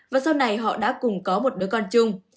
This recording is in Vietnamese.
và sau này họ đã cùng có một đứa con chung